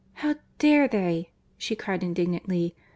"How dare they!" she cried indignantly.